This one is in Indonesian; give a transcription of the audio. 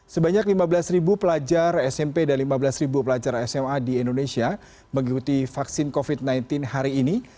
sebanyak lima belas pelajar smp dan lima belas pelajar sma di indonesia mengikuti vaksin covid sembilan belas hari ini